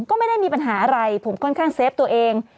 ก็ไม่ได้มีปัญหาอะไรผมค่อนข้างเซฟตัวเอง